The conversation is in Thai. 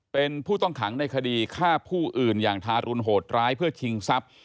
เป็นผู้ต้องขังในคดีฆ่าผู้อื่นอย่างทารุณโหดร้ายเพื่อชิงทรัพย์